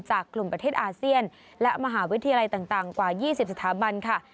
กลุ่มประเทศอาเซียนและมหาวิทยาลัยต่างกว่า๒๐สถาบันค่ะ